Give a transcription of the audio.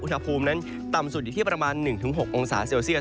อุณหภูมินั้นต่ำสุดอยู่ที่ประมาณ๑๖องศาเซลเซียต